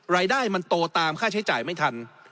รายได้มันโตตามค่าใช้จ่ายไม่ทัน